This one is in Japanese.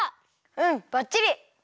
うんばっちり！